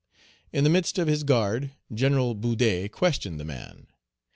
In the midst of his guard, General Boudet questioned the man.